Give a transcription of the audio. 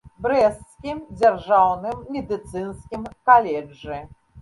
Брэсцкім дзяржаўным медыцынскім каледжы.